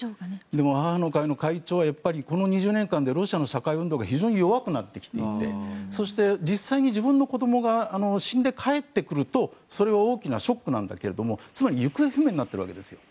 でも母の会の会長はこの２０年間でロシアの社会運動が非常に弱くなってきていてそして、実際に自分の子どもが死んで帰ってくるとそれを大きなショックだけどつまり、行方不明になっているわけですよ。